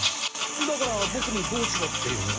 だからボクにどうしろって言うの？